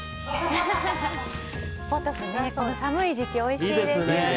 ポトフは寒い時期においしいですよね。